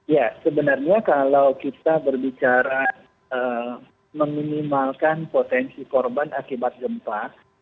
ya sebenarnya kalau kita berbicara meminimalkan potensi korban akibat gempa